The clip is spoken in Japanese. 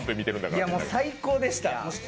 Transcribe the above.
いや、もう最高でした。